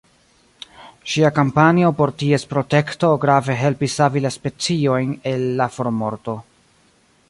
Ŝia kampanjo por ties protekto grave helpis savi la speciojn el la formorto.